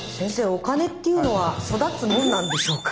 お金っていうのはそだつもんなんでしょうか？